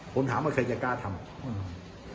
ผมถามว่าใครจะกล้าทำอืม